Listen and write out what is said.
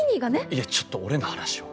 いやちょっと俺の話を。